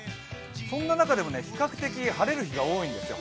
そんな中でも比較的晴れる日が多いんですよ。